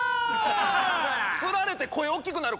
つられて声大きくなる！